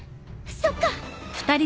そっか。